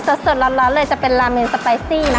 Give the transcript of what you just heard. สดร้อนเลยจะเป็นราเมนสไปซี่นะคะ